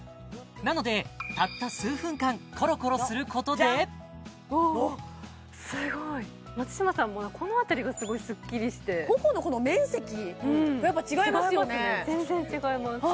なのでたった数分間コロコロすることでああすごいあっ松嶋さんもこの辺りがすごいスッキリして頬のこの面積やっぱ違いますよね違いますね全然違います